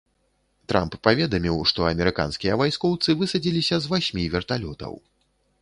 Трамп паведаміў, што амерыканскія вайскоўцы высадзіліся з васьмі верталётаў.